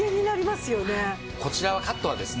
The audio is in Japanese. こちらはカットはですね